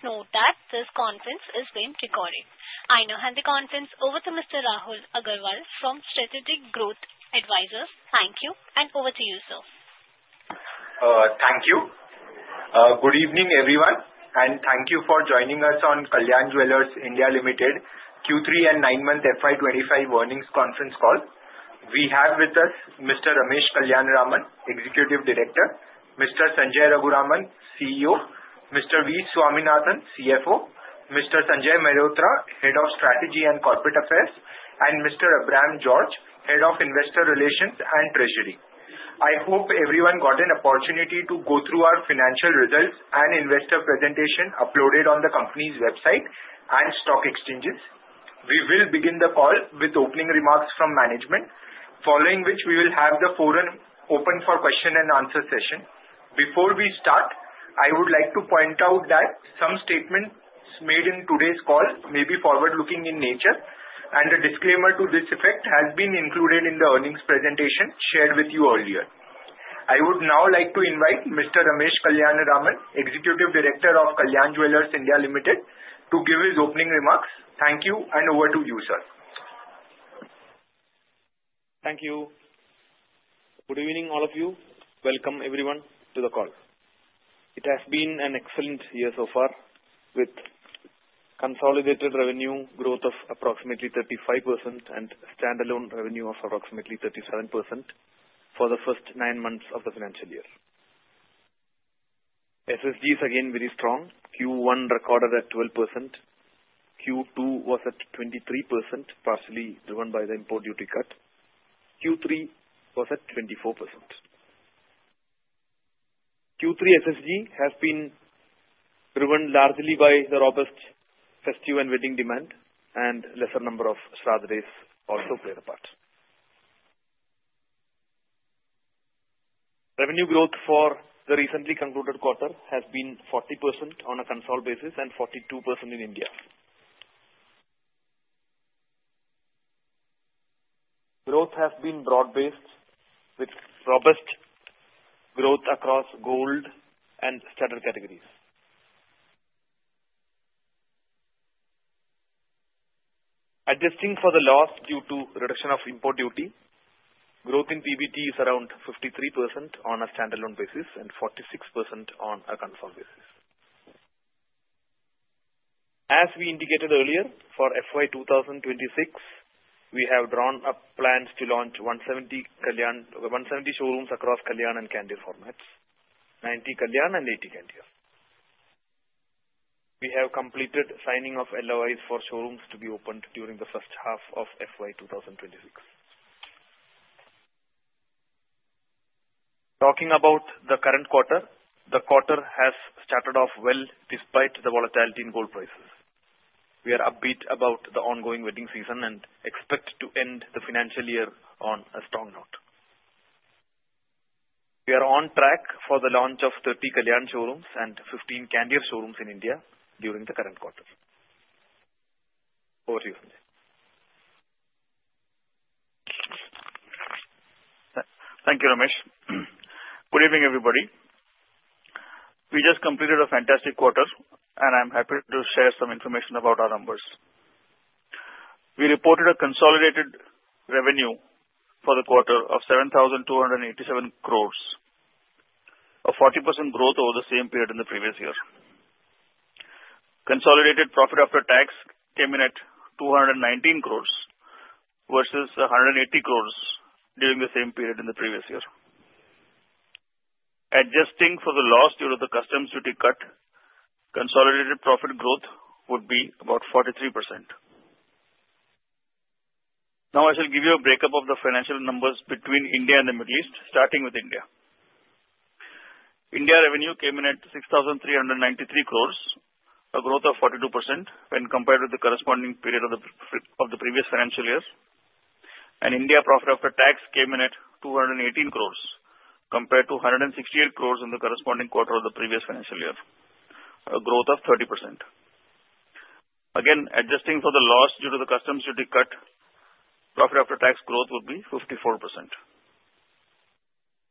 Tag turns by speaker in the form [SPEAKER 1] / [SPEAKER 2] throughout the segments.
[SPEAKER 1] Please note that this conference is being recorded. I now hand the conference over to Mr. Rahul Agarwal from Strategic Growth Advisors. Thank you, and over to you, sir.
[SPEAKER 2] Thank you. Good evening, everyone, and thank you for joining us on Kalyan Jewellers India Limited Q3 and nine-month FY 2025 earnings conference call. We have with us Mr. Ramesh Kalyanaraman, Executive Director, Mr. Sanjay Raghuraman, CEO, Mr. V. Swaminathan, CFO, Mr. Sanjay Mehrotra, Head of Strategy and Corporate Affairs, and Mr. Abraham George, Head of Investor Relations and Treasury. I hope everyone got an opportunity to go through our financial results and investor presentation uploaded on the company's website and stock exchanges. We will begin the call with opening remarks from management, following which we will have the forum open for question and answer session. Before we start, I would like to point out that some statements made in today's call may be forward-looking in nature, and a disclaimer to this effect has been included in the earnings presentation shared with you earlier. I would now like to invite Mr. Ramesh Kalyanaraman, Executive Director of Kalyan Jewellers India Limited, to give his opening remarks. Thank you, and over to you, sir.
[SPEAKER 3] Thank you. Good evening, all of you. Welcome, everyone, to the call. It has been an excellent year so far, with consolidated revenue growth of approximately 35% and standalone revenue of approximately 37% for the first nine months of the financial year. SSG is again very strong. Q1 recorded at 12%. Q2 was at 23%, partially driven by the import duty cut. Q3 was at 24%. Q3 SSG has been driven largely by the robust festive and wedding demand, and a lesser number of Shraddh days also played a part. Revenue growth for the recently concluded quarter has been 40% on a consolidated basis and 42% in India. Growth has been broad-based, with robust growth across gold and studded categories. Adjusting for the loss due to reduction of import duty, growth in PBT is around 53% on a standalone basis and 46% on a consolidated basis. As we indicated earlier, for FY 2026, we have drawn up plans to launch 170 showrooms across Kalyan and Candere formats: 90 Kalyan and 80 Candere. We have completed signing of LOIs for showrooms to be opened during the first half of FY 2026. Talking about the current quarter, the quarter has started off well despite the volatility in gold prices. We are upbeat about the ongoing wedding season and expect to end the financial year on a strong note. We are on track for the launch of 30 Kalyan showrooms and 15 Candere showrooms in India during the current quarter. Over to you, Sanjay.
[SPEAKER 4] Thank you, Ramesh. Good evening, everybody. We just completed a fantastic quarter, and I'm happy to share some information about our numbers. We reported a consolidated revenue for the quarter of 7,287 crores, a 40% growth over the same period in the previous year. Consolidated profit after tax came in at 219 crores versus 180 crores during the same period in the previous year. Adjusting for the loss due to the customs duty cut, consolidated profit growth would be about 43%. Now, I shall give you a breakup of the financial numbers between India and the Middle East, starting with India. India revenue came in at 6,393 crores, a growth of 42% when compared with the corresponding period of the previous financial year. India profit after tax came in at 218 crores, compared to 168 crores in the corresponding quarter of the previous financial year, a growth of 30%. Again, adjusting for the loss due to the customs duty cut, profit after tax growth would be 54%.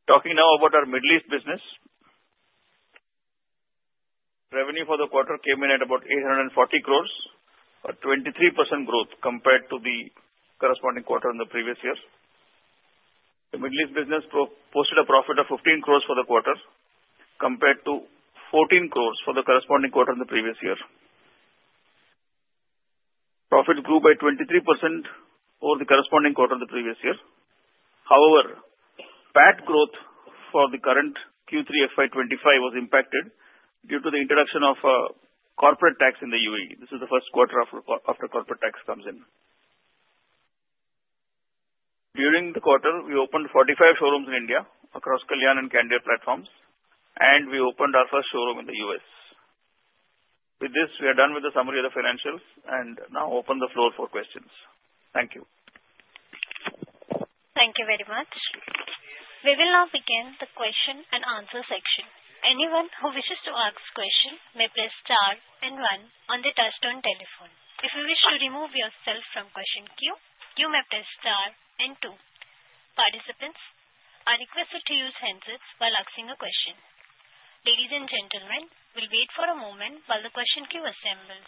[SPEAKER 4] Talking now about our Middle East business, revenue for the quarter came in at about 840 crores, a 23% growth compared to the corresponding quarter in the previous year. The Middle East business posted a profit of 15 crores for the quarter, compared to 14 crores for the corresponding quarter in the previous year. Profit grew by 23% over the corresponding quarter of the previous year. However, PAT growth for the current Q3 FY25 was impacted due to the introduction of corporate tax in the UAE. This is the first quarter after corporate tax comes in. During the quarter, we opened 45 showrooms in India across Kalyan and Candere platforms, and we opened our first showroom in the U.S. With this, we are done with the summary of the financials, and now open the floor for questions. Thank you.
[SPEAKER 1] Thank you very much. We will now begin the question and answer section. Anyone who wishes to ask a question may press star and one on the touch-tone telephone. If you wish to remove yourself from question queue, you may press star and two. Participants are requested to use handsets while asking a question. Ladies and gentlemen, we'll wait for a moment while the question queue assembles.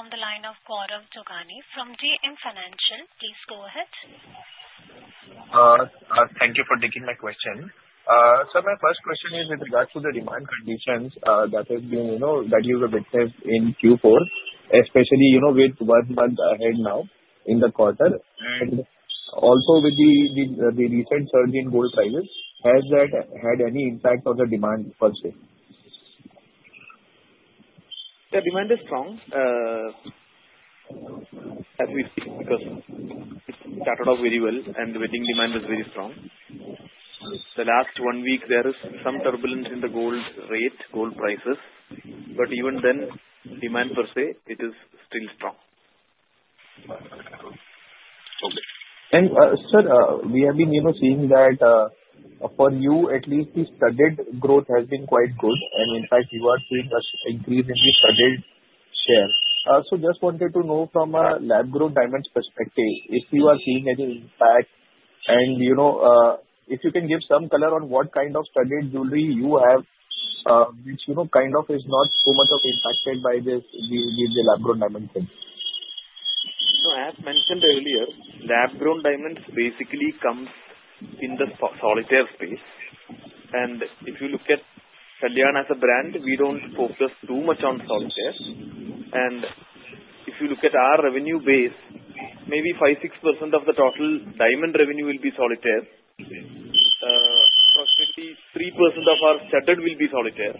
[SPEAKER 1] The first question is from the line of Gaurav Jogani from JM Financial. Please go ahead.
[SPEAKER 5] Thank you for taking my question. Sir, my first question is with regards to the demand conditions that you have witnessed in Q4, especially with one month ahead now in the quarter. And also, with the recent surge in gold prices, has that had any impact on the demand for the same?
[SPEAKER 4] The demand is strong. As we see, because it started off very well and the wedding demand was very strong. The last one week, there is some turbulence in the gold rate, gold prices, but even then, demand per se, it is still strong.
[SPEAKER 5] Sir, we have been seeing that for you, at least the studded growth has been quite good, and in fact, you are seeing a greater studded share. I also just wanted to know from a lab-grown diamonds perspective, if you are seeing any impact, and if you can give some color on what kind of studded jewelry you have, which kind of is not too much impacted by the lab-grown diamond thing.
[SPEAKER 4] As mentioned earlier, lab-grown diamonds basically come in the solitaire space. And if you look at Kalyan as a brand, we don't focus too much on solitaire. And if you look at our revenue base, maybe 5%-6% of the total diamond revenue will be solitaire. Approximately 3% of our studded will be solitaire.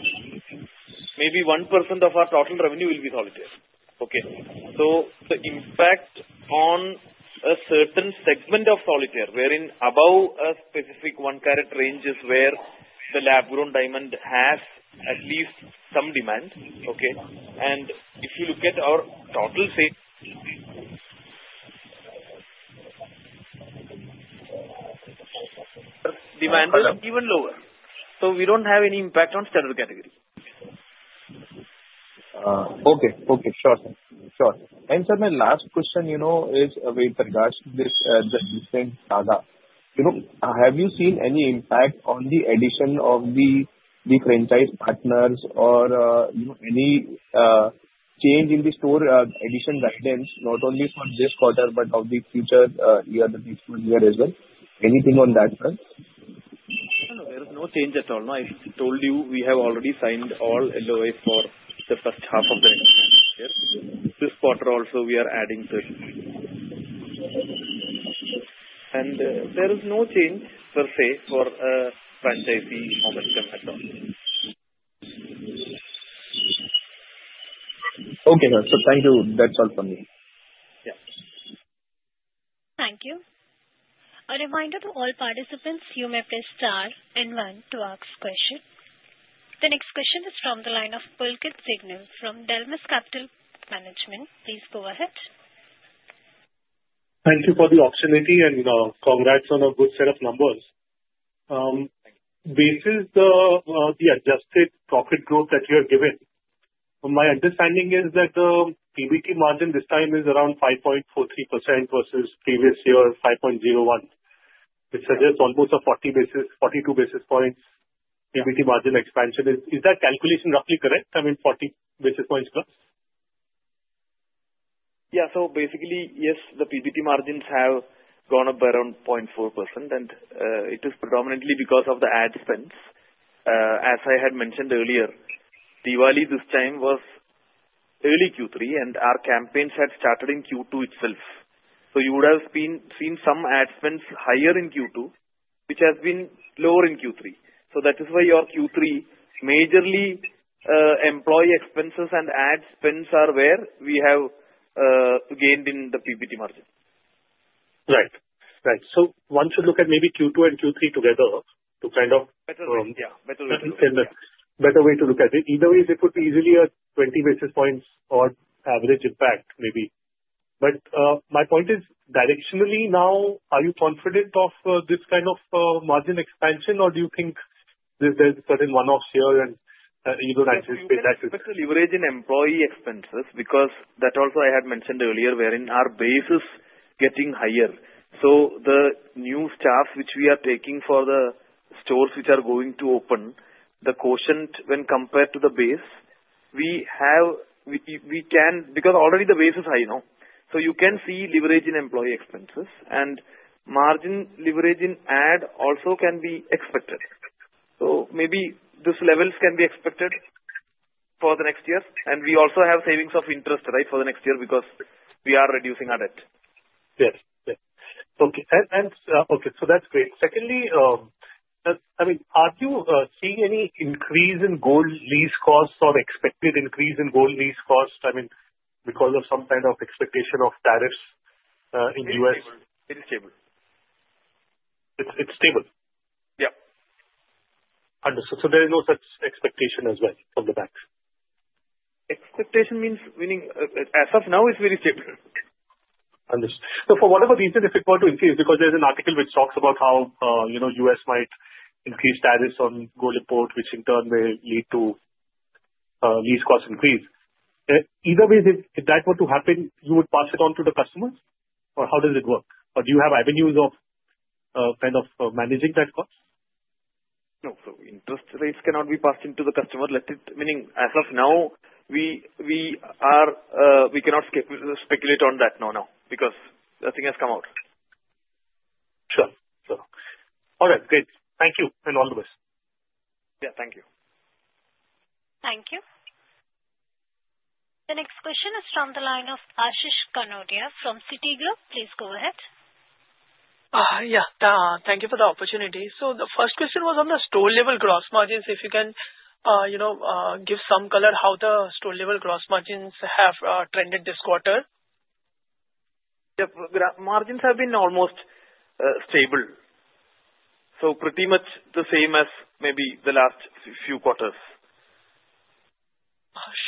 [SPEAKER 4] Maybe 1% of our total revenue will be solitaire. So the impact on a certain segment of solitaire, wherein above a specific one-carat range is where the lab-grown diamond has at least some demand. And if you look at our total sales, demand is even lower. So we don't have any impact on studded category.
[SPEAKER 5] Okay. Sure. And sir, my last question is with regards to this recent saga. Have you seen any impact on the addition of the franchise partners or any change in the store addition guidance, not only for this quarter but of the future year, the next year as well? Anything on that front?
[SPEAKER 4] There is no change at all. I told you we have already signed all LOIs for the first half of the next financial year. This quarter also, we are adding to it, and there is no change per se for franchisee momentum at all.
[SPEAKER 5] Okay, so thank you. That's all from me.
[SPEAKER 4] Yeah.
[SPEAKER 1] Thank you. A reminder to all participants, you may press star and one to ask question. The next question is from the line of Pulkit Singhal from Dalmus Capital Management. Please go ahead.
[SPEAKER 6] Thank you for the opportunity and congrats on a good set of numbers. Based on the adjusted profit growth that you have given, my understanding is that the PBT margin this time is around 5.43% versus previous year 5.01%. It's almost a 42 basis points PBT margin expansion. Is that calculation roughly correct? I mean, 40 basis points plus?
[SPEAKER 4] Yeah. So basically, yes, the PBT margins have gone up around 0.4%, and it is predominantly because of the ad spends. As I had mentioned earlier, Diwali this time was early Q3, and our campaigns had started in Q2 itself. So you would have seen some ad spends higher in Q2, which has been lower in Q3. So that is why your Q3 majorly employee expenses and ad spends are where we have gained in the PBT margin.
[SPEAKER 6] Right. So once you look at maybe Q2 and Q3 together to kind of.
[SPEAKER 4] Better way to look at it.
[SPEAKER 6] Better way to look at it. Either way, it could be easily a 20 basis points or average impact, maybe. But my point is, directionally now, are you confident of this kind of margin expansion, or do you think there's a certain one-off here and you don't anticipate that?
[SPEAKER 4] I think there's a certain leverage in employee expenses because that also I had mentioned earlier, wherein our base is getting higher. So the new staff, which we are taking for the stores which are going to open, the quotient when compared to the base, we can because already the base is high now. So you can see leverage in employee expenses, and margin leverage in ad also can be expected. So maybe these levels can be expected for the next year, and we also have savings of interest for the next year because we are reducing our debt.
[SPEAKER 6] Yes. Okay. So that's great. Secondly, I mean, are you seeing any increase in gold lease costs or expected increase in gold lease costs, I mean, because of some kind of expectation of tariffs in the U.S.?
[SPEAKER 4] It's stable.
[SPEAKER 6] It's stable.
[SPEAKER 4] Yeah.
[SPEAKER 6] Understood. So there is no such expectation as well from the banks?
[SPEAKER 4] Expectation, meaning as of now, it's very stable.
[SPEAKER 6] Understood. So for whatever reason, if it were to increase, because there's an article which talks about how the U.S. might increase tariffs on gold import, which in turn may lead to lease cost increase. Either way, if that were to happen, you would pass it on to the customers, or how does it work? Or do you have avenues of kind of managing that cost?
[SPEAKER 4] No, so interest rates cannot be passed into the customer. Meaning, as of now, we cannot speculate on that now because nothing has come out.
[SPEAKER 6] Sure. All right. Great. Thank you, and all the best.
[SPEAKER 4] Yeah. Thank you.
[SPEAKER 1] Thank you. The next question is from the line of Ashish Kanodia from Citigroup. Please go ahead.
[SPEAKER 7] Yeah. Thank you for the opportunity. So the first question was on the store-level gross margins. If you can give some color how the store-level gross margins have trended this quarter.
[SPEAKER 3] Yeah. Margins have been almost stable, so pretty much the same as maybe the last few quarters.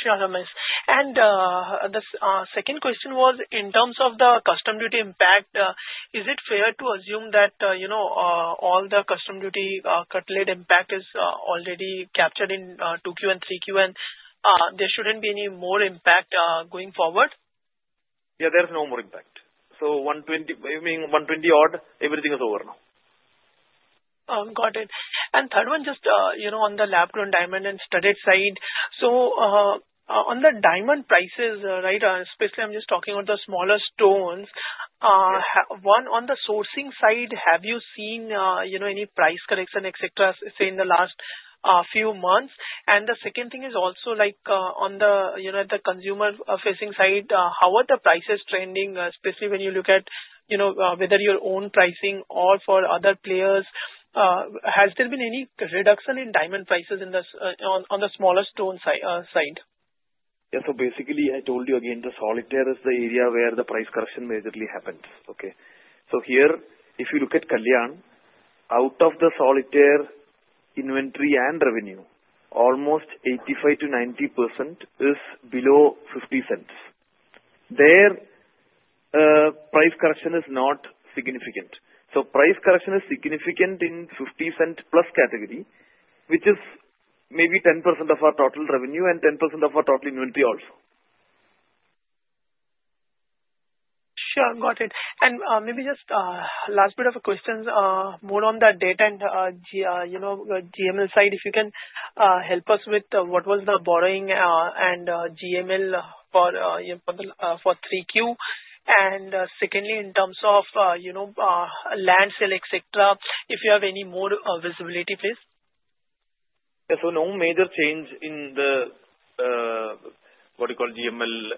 [SPEAKER 7] Sure. And the second question was in terms of the customs duty cut, that impact, is it fair to assume that all the customs duty cut, that impact is already captured in 2Q and 3Q, and there shouldn't be any more impact going forward?
[SPEAKER 3] Yeah. There's no more impact, so meaning 120 odd, everything is over now.
[SPEAKER 7] Got it. And third one, just on the lab-grown diamond and studded side. So on the diamond prices, especially I'm just talking about the smaller stones, on the sourcing side, have you seen any price correction, etc., say, in the last few months? And the second thing is also on the consumer-facing side, how are the prices trending, especially when you look at whether your own pricing or for other players? Has there been any reduction in diamond prices on the smaller stone side?
[SPEAKER 3] Yeah. So basically, I told you again, the solitaire is the area where the price correction majorly happens. So here, if you look at Kalyan, out of the solitaire inventory and revenue, almost 85%-90% is below 50 cents. There, price correction is not significant. So price correction is significant in 50-cent-plus category, which is maybe 10% of our total revenue and 10% of our total inventory also.
[SPEAKER 7] Sure. Got it. And maybe just last bit of a question, more on the data and GML side. If you can help us with what was the borrowing and GML for 3Q? And secondly, in terms of land sale, etc., if you have any more visibility, please?
[SPEAKER 3] Yeah. So no major change in the what you call GML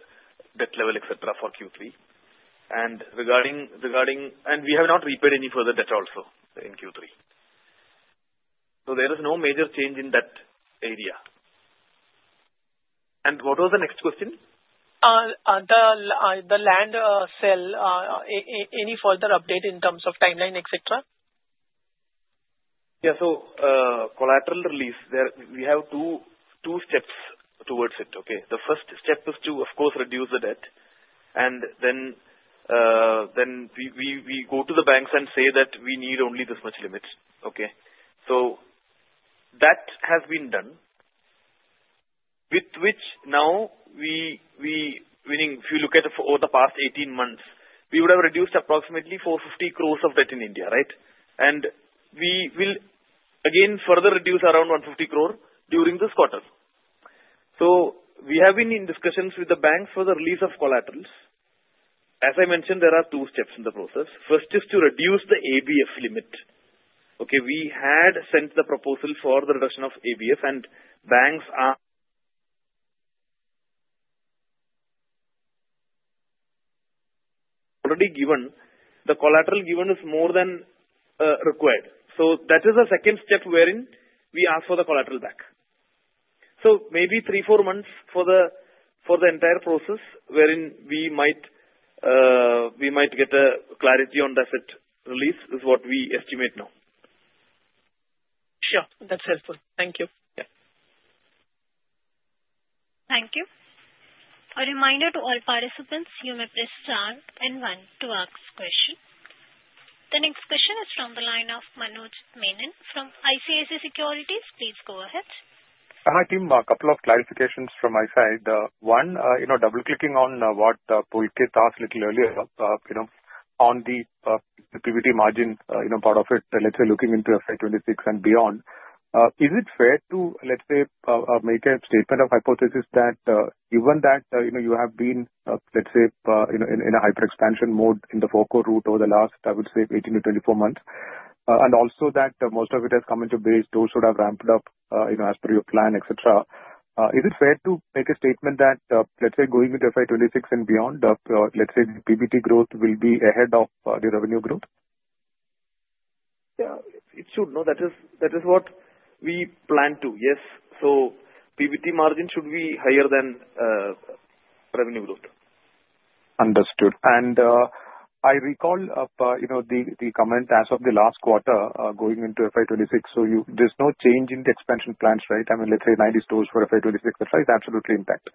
[SPEAKER 3] debt level, etc., for Q3. And we have not repaid any further debt also in Q3. So there is no major change in that area. And what was the next question?
[SPEAKER 7] The land sale, any further update in terms of timeline, etc.?
[SPEAKER 3] Yeah. So, collateral release, we have two steps towards it. The first step is to, of course, reduce the debt. And then we go to the banks and say that we need only this much limit. So that has been done, with which now, meaning if you look at over the past 18 months, we would have reduced approximately 450 crores of debt in India, right? And we will, again, further reduce around 150 crore during this quarter. So we have been in discussions with the banks for the release of collaterals. As I mentioned, there are two steps in the process. First is to reduce the ABF limit. We had sent the proposal for the reduction of ABF, and banks are already given. The collateral given is more than required. So that is the second step wherein we ask for the collateral back. So maybe three, four months for the entire process wherein we might get clarity on the asset release is what we estimate now.
[SPEAKER 7] Sure. That's helpful. Thank you.
[SPEAKER 1] Thank you. A reminder to all participants, you may press star and one to ask question. The next question is from the line of Manoj Menon from ICICI Securities. Please go ahead.
[SPEAKER 8] Hi, team. A couple of clarifications from my side. One, double-clicking on what Pulkit asked a little earlier on the PBT margin part of it, let's say, looking into FY 2026 and beyond, is it fair to, let's say, make a statement of hypothesis that given that you have been, let's say, in a hyper-expansion mode in the FOFO route over the last, I would say, 18-24 months, and also that most of it has come into base, those who have ramped up as per your plan, etc., is it fair to make a statement that, let's say, going into FY 2026 and beyond, let's say, PBT growth will be ahead of the revenue growth?
[SPEAKER 3] Yeah. It should. That is what we plan to. Yes. So PBT margin should be higher than revenue growth.
[SPEAKER 8] Understood. And I recall the comment as of the last quarter going into FY 2026. So there's no change in the expansion plans, right? I mean, let's say 90 stores for FY 2026, etc., it's absolutely intact.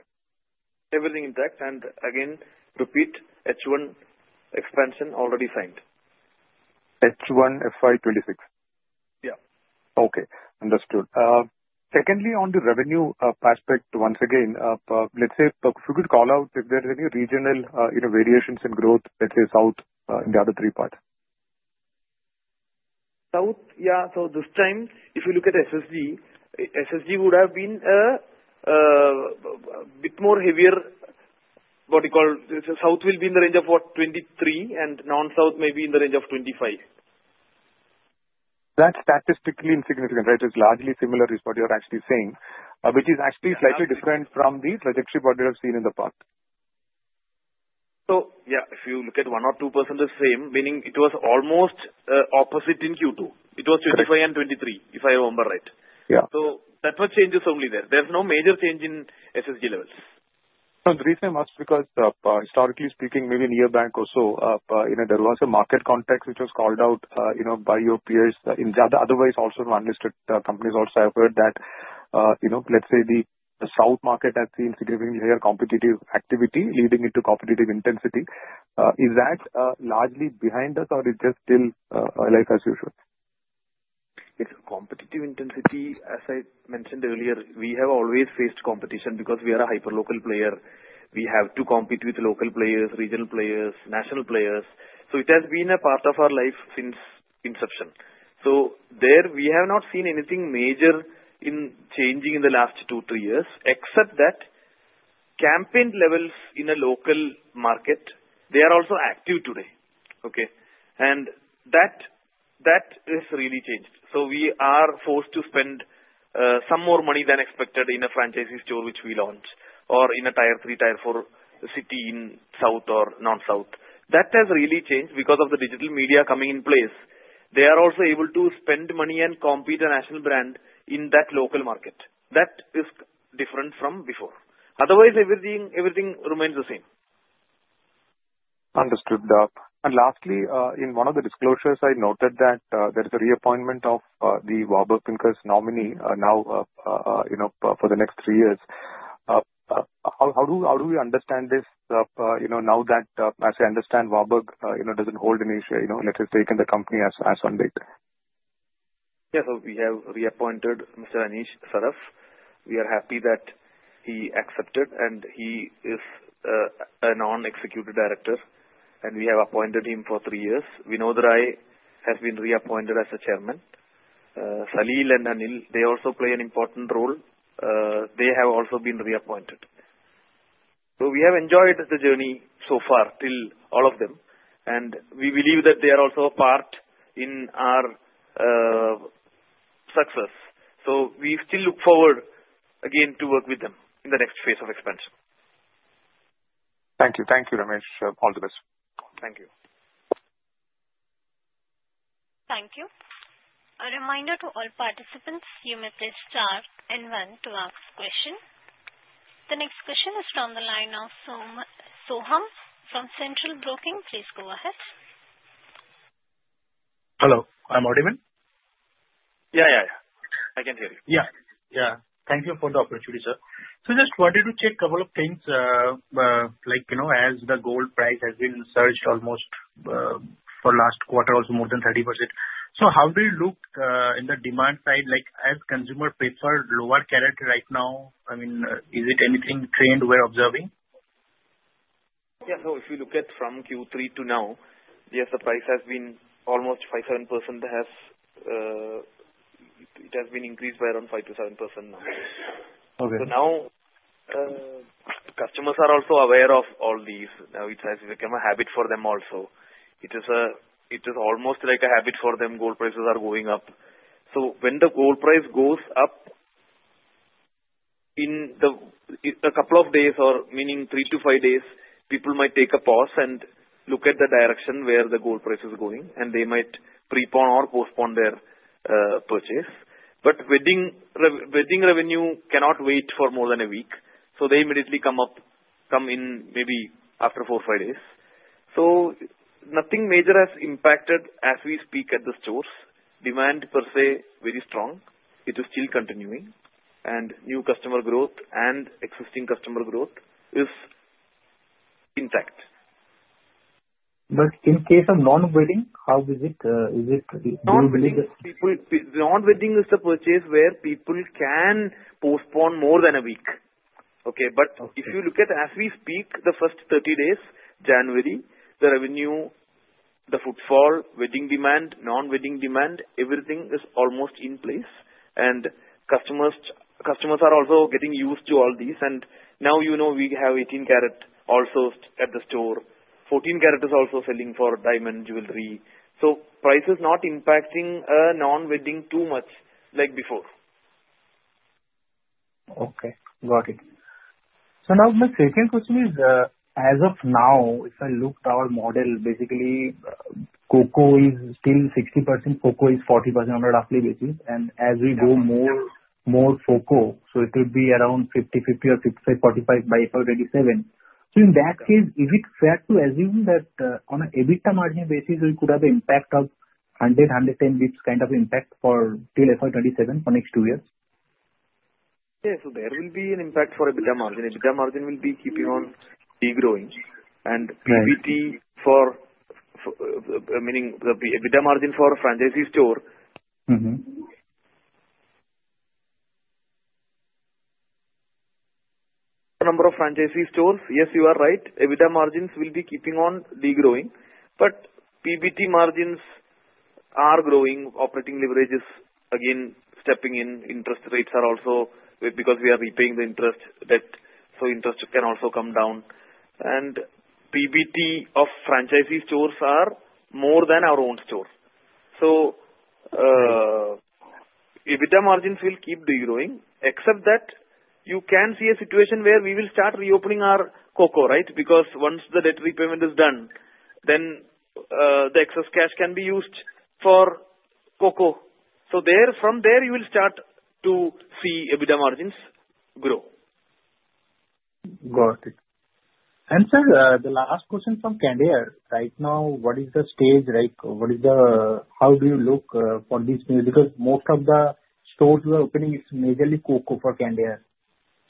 [SPEAKER 3] Everything intact, and again, repeat, H1 expansion already signed.
[SPEAKER 8] H1 FY 2026?
[SPEAKER 3] Yeah.
[SPEAKER 8] Okay. Understood. Secondly, on the revenue aspect, once again, let's say, if you could call out if there's any regional variations in growth, let's say, South in the other three parts?
[SPEAKER 3] South, yeah. So this time, if you look at SSG, SSG would have been a bit more heavier, what you call, south will be in the range of what, 23, and non-south may be in the range of 25.
[SPEAKER 8] That's statistically insignificant, right? It's largely similar to what you're actually saying, which is actually slightly different from the trajectory what we have seen in the past.
[SPEAKER 3] So yeah, if you look at 1% or 2%, it's the same, meaning it was almost opposite in Q2. It was 25% and 23%, if I remember right. So that's what changes only there. There's no major change in SSG levels.
[SPEAKER 8] No. The reason was because, historically speaking, maybe year back or so, there was a market context which was called out by your peers. Otherwise, also non-listed companies also have heard that, let's say, the South market has seen significantly higher competitive activity leading into competitive intensity. Is that largely behind us, or is it just still as usual?
[SPEAKER 3] It's a competitive intensity. As I mentioned earlier, we have always faced competition because we are a hyper-local player. We have to compete with local players, regional players, national players. So it has been a part of our life since inception. So there, we have not seen anything major in changing in the last two, three years, except that campaign levels in a local market, they are also active today. And that has really changed. So we are forced to spend some more money than expected in a franchise store which we launch or in a tier three, tier four city in South or non-South. That has really changed because of the digital media coming in place. They are also able to spend money and compete with a national brand in that local market. That is different from before. Otherwise, everything remains the same.
[SPEAKER 8] Understood, and lastly, in one of the disclosures, I noted that there is a reappointment of the Warburg Pincus nominee now for the next three years. How do we understand this now that, as I understand, Warburg doesn't hold in any share, let's say, taking the company as such?
[SPEAKER 3] Yeah. So we have reappointed Mr. Anish Saraf. We are happy that he accepted, and he is a non-executive director, and we have appointed him for three years. Vinod Rai has been reappointed as the Chairman. Salil and Anil, they also play an important role. They have also been reappointed. So we have enjoyed the journey so far till all of them. And we believe that they are also a part in our success. So we still look forward, again, to work with them in the next phase of expansion.
[SPEAKER 8] Thank you. Thank you, Ramesh. All the best.
[SPEAKER 3] Thank you.
[SPEAKER 1] Thank you. A reminder to all participants, you may press star and one to ask question. The next question is from the line of Soham from Centrum Broking. Please go ahead.
[SPEAKER 9] Hello. I'm audible?
[SPEAKER 3] Yeah. Yeah. Yeah. I can hear you.
[SPEAKER 9] Yeah. Thank you for the opportunity, sir, so just wanted to check a couple of things. As the gold price has been surged almost for last quarter, also more than 30%, so how do you look in the demand side? As consumer prefer lower carat right now, I mean, is it anything trend we're observing?
[SPEAKER 3] Yeah. So if you look at from Q3 to now, yes, the price has been almost 5%-7%. It has been increased by around 5%-7% now. So now, customers are also aware of all these. Now, it has become a habit for them also. It is almost like a habit for them. Gold prices are going up. So when the gold price goes up in a couple of days, or meaning three to five days, people might take a pause and look at the direction where the gold price is going, and they might prepone or postpone their purchase. But wedding revenue cannot wait for more than a week. So they immediately come in maybe after four, five days. So nothing major has impacted as we speak at the stores. Demand, per se, very strong. It is still continuing. New customer growth and existing customer growth is intact.
[SPEAKER 9] But in case of non-wedding, how is it? Is it non-wedding?
[SPEAKER 3] Non-wedding is the purchase where people can postpone more than a week, but if you look at, as we speak, the first 30 days, January, the revenue, the footfall, wedding demand, non-wedding demand, everything is almost in place, and customers are also getting used to all these, and now we have 18-carat also at the store. 14-carat is also selling for diamond jewelry, so price is not impacting non-wedding too much like before.
[SPEAKER 9] Okay. Got it. So now my second question is, as of now, if I look at our model, basically, COCO is still 60%. COCO is 40% on a rough basis. And as we go more COCO, so it would be around 50-50 or 55-45 by FY 2027. So in that case, is it fair to assume that on an EBITDA margin basis, we could have the impact of 100-110 basis points kind of impact till FY 2027 for next two years?
[SPEAKER 3] Yeah. So there will be an impact for EBITDA margin. EBITDA margin will be keeping on growing. And EBITDA, I mean, the EBITDA margin for franchisee store. Number of franchisee stores, yes, you are right. EBITDA margins will be keeping on growing. But PBT margins are growing. Operating leverage is again stepping in. Interest rates are also, because we are repaying the interest debt, so interest can also come down. And PBT of franchisee stores are more than our own store. So EBITDA margins will keep growing, except that you can see a situation where we will start reopening our COCO, right? Because once the debt repayment is done, then the excess cash can be used for COCO. So from there, you will start to see EBITDA margins grow.
[SPEAKER 9] Got it. And, sir, the last question from Candere. Right now, what is the stage? What is the, how do you look for these new because most of the stores we are opening is majorly COCO for Candere.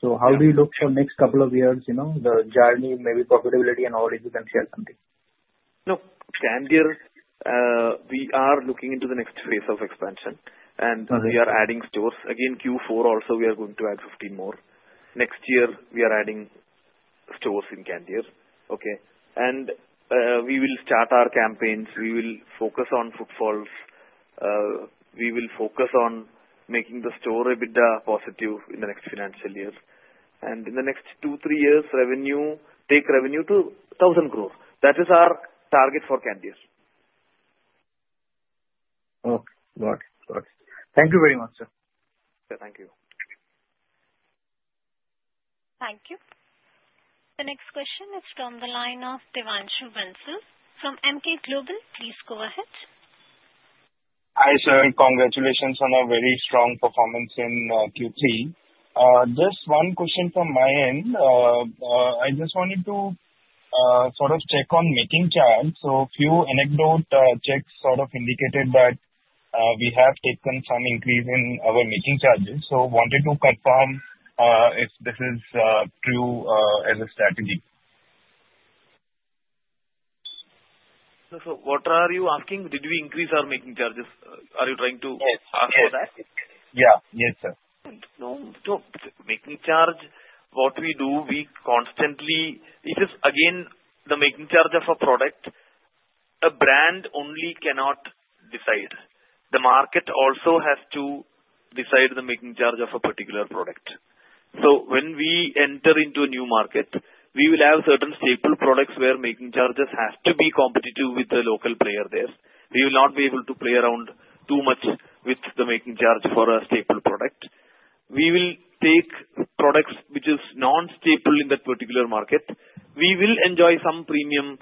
[SPEAKER 9] So how do you look for next couple of years, the journey, maybe profitability and all, if you can share something?
[SPEAKER 3] Look, Candere, we are looking into the next phase of expansion and we are adding stores. Again, Q4 also, we are going to add 15 more. Next year, we are adding stores in Candere and we will start our campaigns. We will focus on footfalls. We will focus on making the store EBITDA positive in the next financial year and in the next two, three years, take revenue to 1,000 crore. That is our target for Candere.
[SPEAKER 9] Okay. Got it. Got it. Thank you very much, sir.
[SPEAKER 3] Yeah. Thank you.
[SPEAKER 1] Thank you. The next question is from the line of Devanshu Bansal from Emkay Global, please go ahead.
[SPEAKER 10] Hi, sir. Congratulations on a very strong performance in Q3. Just one question from my end. I just wanted to sort of check on making charge. So a few anecdotal checks sort of indicated that we have taken some increase in our making charges. So wanted to confirm if this is true as a strategy?
[SPEAKER 3] So what are you asking? Did we increase our making charges? Are you trying to ask for that?
[SPEAKER 10] Yes. Yeah. Yes, sir.
[SPEAKER 3] No. No. Making charge. What we do, again, the making charge of a product. A brand only cannot decide. The market also has to decide the making charge of a particular product. So when we enter into a new market, we will have certain staple products where making charges has to be competitive with the local player there. We will not be able to play around too much with the making charge for a staple product. We will take products which are non-staple in that particular market. We will enjoy some premium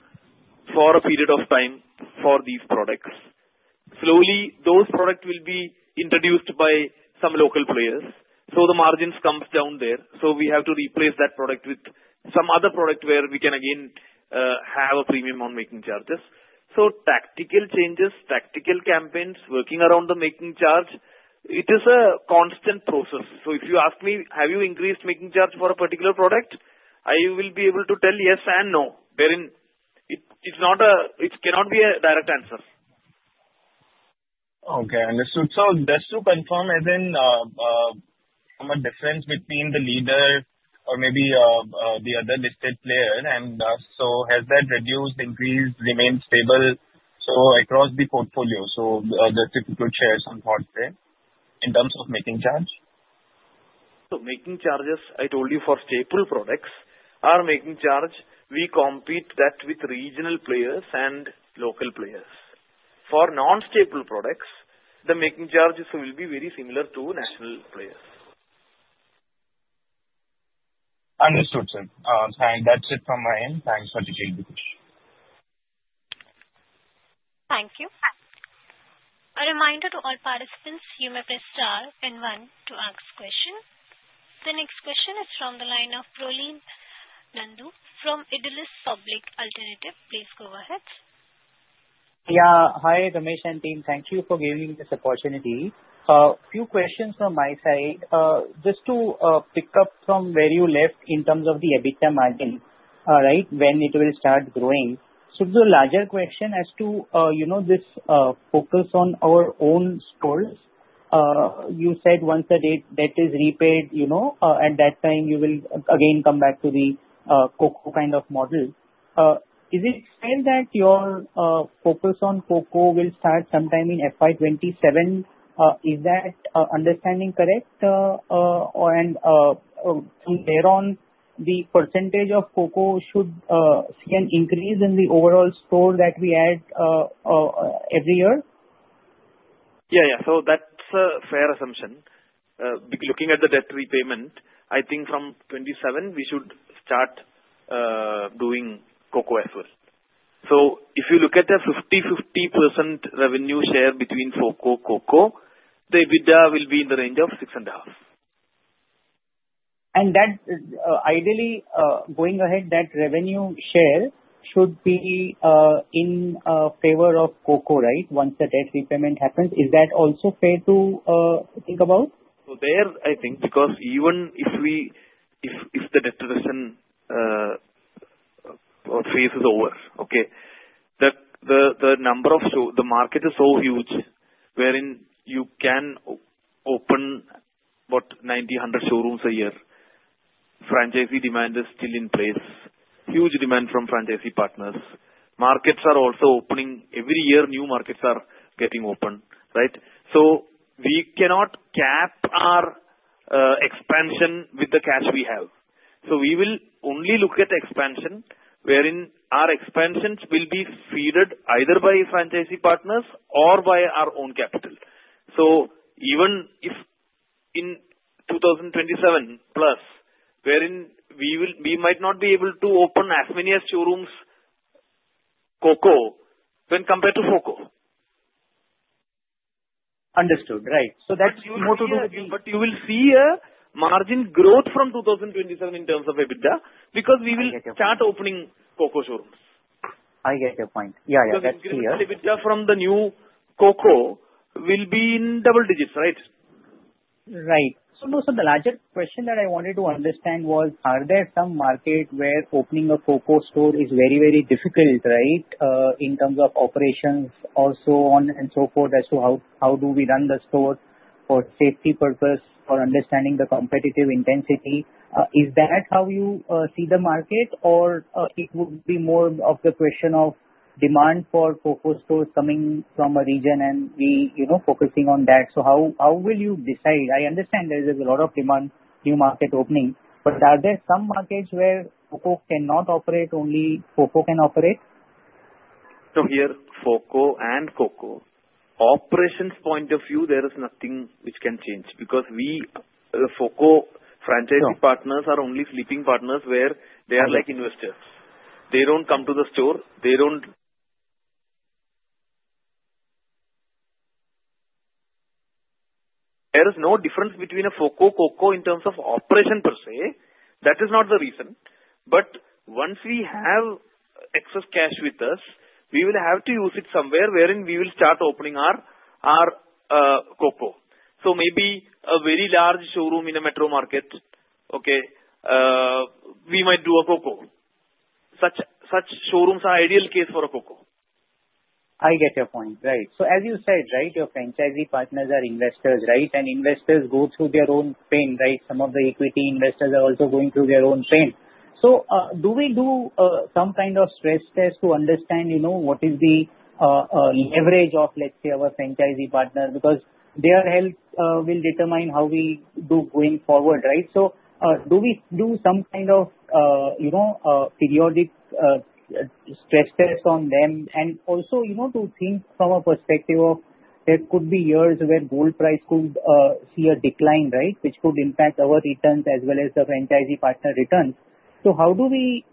[SPEAKER 3] for a period of time for these products. Slowly, those products will be introduced by some local players. So the margins come down there. So we have to replace that product with some other product where we can again have a premium on making charges. Tactical changes, tactical campaigns, working around the making charge, it is a constant process. If you ask me, "Have you increased making charge for a particular product?" I will be able to tell yes and no. It cannot be a direct answer.
[SPEAKER 10] Okay. Understood. So just to confirm, as in from a difference between the leader or maybe the other listed player, and so has that reduced, increased, remained stable across the portfolio? So the typical shares on what there in terms of making charge?
[SPEAKER 3] So, making charges. I told you for staple products, our making charge. We compete that with regional players and local players. For non-staple products, the making charges will be very similar to national players.
[SPEAKER 10] Understood, sir. Thank you. That's it from my end. Thanks for the chat.
[SPEAKER 1] Thank you. A reminder to all participants, you may press star and one to ask question. The next question is from the line of Prolin Nandu from Edelweiss Public Alternatives. Please go ahead.
[SPEAKER 11] Yeah. Hi, Ramesh and team. Thank you for giving me this opportunity. A few questions from my side. Just to pick up from where you left in terms of the EBITDA margin, right, when it will start growing. So the larger question as to this focus on our own stores, you said once the debt is repaid, at that time, you will again come back to the COCO kind of model. Is it fair that your focus on COCO will start sometime in FY 2027? Is that understanding correct? And from there on, the percentage of COCO should increase in the overall store that we add every year?
[SPEAKER 3] Yeah. Yeah. So that's a fair assumption. Looking at the debt repayment, I think from 2027, we should start doing COCO as well. So if you look at the 50%-50% revenue share between COCO, COCO, the EBITDA will be in the range of 6.5.
[SPEAKER 11] Ideally, going ahead, that revenue share should be in favor of COCO, right, once the debt repayment happens. Is that also fair to think about?
[SPEAKER 3] So there, I think, because even if the debt repayment phase is over, okay, the number of the market is so huge wherein you can open what, 90, 100 showrooms a year. Franchisee demand is still in place. Huge demand from franchisee partners. Markets are also opening. Every year, new markets are getting open, right? We cannot cap our expansion with the cash we have. We will only look at expansion wherein our expansions will be funded either by franchisee partners or by our own capital. Even if in 2027 plus, wherein we might not be able to open as many as showrooms COCO when compared to FOCO.
[SPEAKER 11] Understood. Right. So that's more to do with the EBITDA.
[SPEAKER 3] But you will see a margin growth from 2027 in terms of EBITDA because we will start opening COCO showrooms.
[SPEAKER 11] I get your point. Yeah. Yeah.
[SPEAKER 3] So then EBITDA from the new COCO will be in double digits, right?
[SPEAKER 11] Right. So most of the larger question that I wanted to understand was, are there some market where opening a COCO store is very, very difficult, right, in terms of operations also on and so forth as to how do we run the store for safety purpose or understanding the competitive intensity? Is that how you see the market, or it would be more of the question of demand for COCO stores coming from a region and focusing on that? So how will you decide? I understand there is a lot of demand, new market opening, but are there some markets where COCO cannot operate, only COCO can operate?
[SPEAKER 3] So here, FOCO and COCO operations point of view, there is nothing which can change because the FOCO franchisee partners are only sleeping partners where they are like investors. They don't come to the store. There is no difference between a FOCO and COCO in terms of operation per se. That is not the reason. But once we have excess cash with us, we will have to use it somewhere wherein we will start opening our COCO. So maybe a very large showroom in a metro market, okay, we might do a COCO. Such showrooms are ideal case for a COCO.
[SPEAKER 11] I get your point. Right. So as you said, right, your franchisee partners are investors, right? And investors go through their own pain, right? Some of the equity investors are also going through their own pain. So do we do some kind of stress test to understand what is the leverage of, let's say, our franchisee partner? Because their health will determine how we do going forward, right? So do we do some kind of periodic stress test on them? And also to think from a perspective of there could be years where gold price could see a decline, right, which could impact our returns as well as the franchisee partner returns. So how do we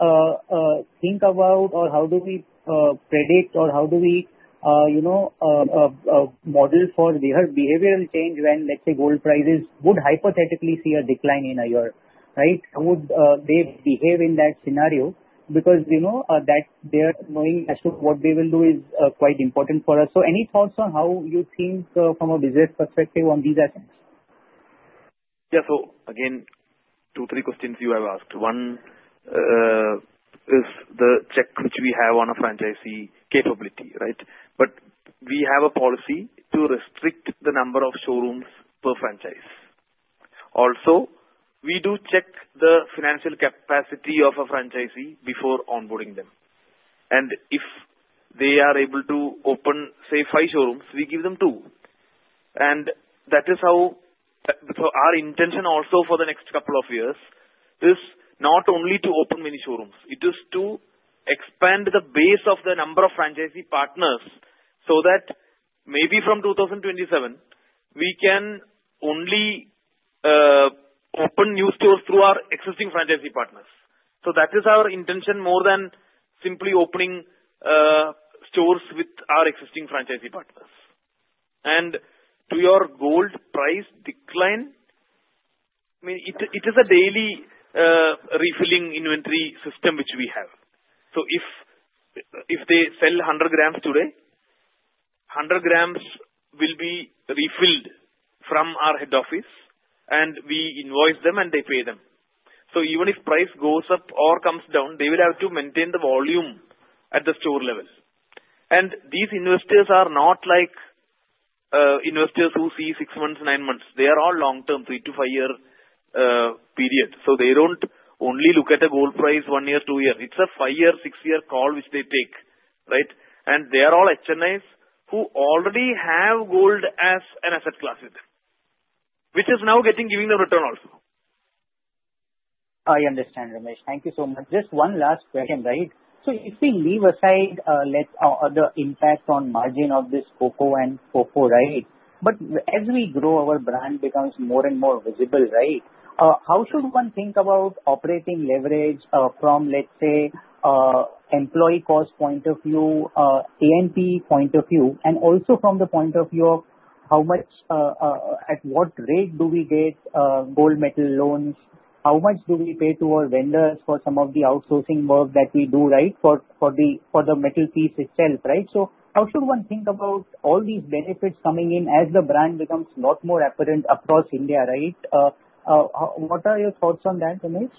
[SPEAKER 11] think about or how do we predict or how do we model for their behavioral change when, let's say, gold prices would hypothetically see a decline in a year, right? How would they behave in that scenario? Because they are knowing as to what they will do is quite important for us. So any thoughts on how you think from a business perspective on these aspects?
[SPEAKER 3] Yeah. So again, two or three questions you have asked. One is the check which we have on a franchisee capability, right? But we have a policy to restrict the number of showrooms per franchise. Also, we do check the financial capacity of a franchisee before onboarding them. And if they are able to open, say, five showrooms, we give them two. And that is how our intention also for the next couple of years is not only to open many showrooms. It is to expand the base of the number of franchisee partners so that maybe from 2027, we can only open new stores through our existing franchisee partners. So that is our intention more than simply opening stores with our existing franchisee partners. And to your gold price decline, I mean, it is a daily refilling inventory system which we have. So if they sell 100 grams today, 100 grams will be refilled from our head office, and we invoice them, and they pay them. So even if price goes up or comes down, they will have to maintain the volume at the store level. And these investors are not like investors who see six months, nine months. They are all long-term, three to five-year period. So they don't only look at a gold price one year, two years. It's a five-year, six-year call which they take, right? And they are all HNIs who already have gold as an asset class with them, which is now giving them return also.
[SPEAKER 11] I understand, Ramesh. Thank you so much. Just one last question, right? So if we leave aside the impact on margin of this COCO and FOFO, right, but as we grow, our brand becomes more and more visible, right? How should one think about operating leverage from, let's say, employee cost point of view, A&P point of view, and also from the point of view of how much at what rate do we get gold metal loans? How much do we pay to our vendors for some of the outsourcing work that we do, right, for the metal piece itself, right? So how should one think about all these benefits coming in as the brand becomes lot more apparent across India, right? What are your thoughts on that, Ramesh?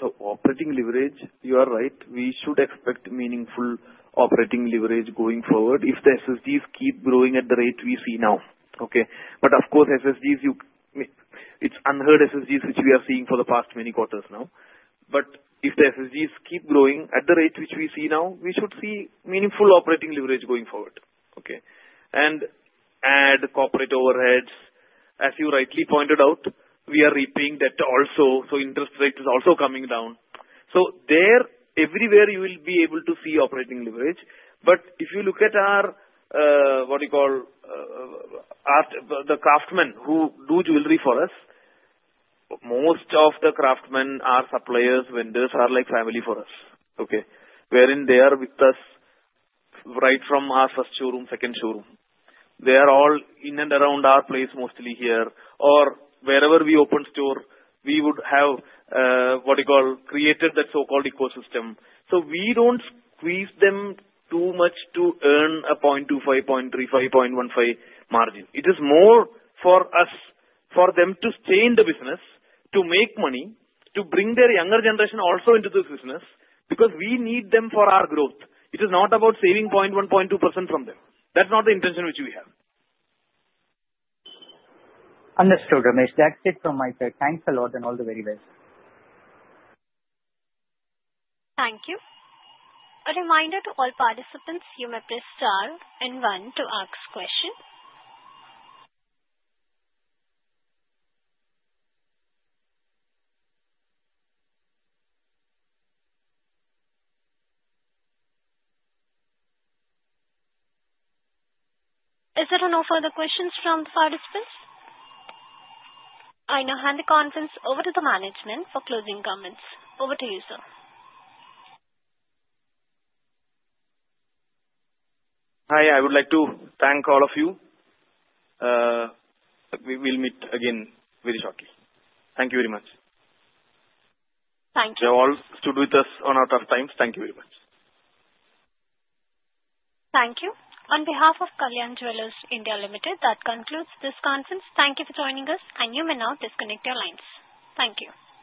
[SPEAKER 3] So operating leverage, you are right. We should expect meaningful operating leverage going forward if the SSGs keep growing at the rate we see now, okay? But of course, SSGs, it's unheard-of SSGs which we are seeing for the past many quarters now. But if the SSGs keep growing at the rate which we see now, we should see meaningful operating leverage going forward, okay? And add corporate overheads. As you rightly pointed out, we are repaying debt also. So interest rate is also coming down. So there, everywhere you will be able to see operating leverage. But if you look at our what do you call the craftsmen who do jewelry for us, most of the craftsmen, our suppliers, vendors are like family for us, okay? Wherein they are with us right from our first showroom, second showroom. They are all in and around our place mostly here. Or wherever we open store, we would have what do you call created that so-called ecosystem. So we don't squeeze them too much to earn a 0.25%, 0.35%, 0.15% margin. It is more for us for them to stay in the business, to make money, to bring their younger generation also into this business because we need them for our growth. It is not about saving 0.1%, 0.2% from them. That's not the intention which we have.
[SPEAKER 11] Understood, Ramesh. That's it from my side. Thanks a lot and all the very best.
[SPEAKER 1] Thank you. A reminder to all participants, you may press star and one to ask question. Is there any further questions from the participants? I now hand the conference over to the management for closing comments. Over to you, sir.
[SPEAKER 3] Hi. I would like to thank all of you. We will meet again very shortly. Thank you very much.
[SPEAKER 1] Thank you.
[SPEAKER 3] You all stood with us on our tough times. Thank you very much.
[SPEAKER 1] Thank you. On behalf of Kalyan Jewellers India Limited, that concludes this conference. Thank you for joining us, and you may now disconnect your lines. Thank you.